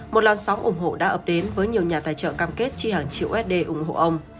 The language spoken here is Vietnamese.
một làn sóng ủng hộ đã ập đến với nhiều nhà tài trợ cam kết chi hàng triệu sd ủng hộ ông